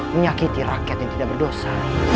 menyakiti rakyat yang tidak berdosa